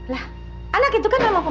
lah anak itu kan lama pembeli